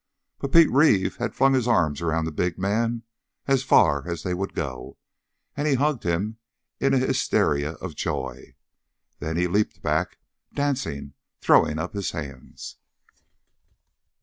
But Pete Reeve had flung his arms around the big man as far as they would go, and he hugged him in a hysteria of joy. Then he leaped back, dancing, throwing up his hands.